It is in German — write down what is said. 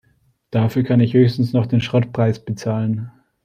Dafür kann ich höchstens noch den Schrottpreis bezahlen.